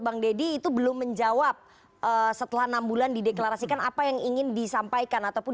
bang deddy itu belum menjawab setelah enam bulan dideklarasikan apa yang ingin disampaikan ataupun